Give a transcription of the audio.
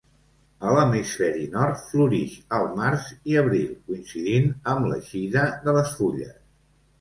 A l'hemisferi nord, florix al març i abril coincidint amb l'eixida de les fulles.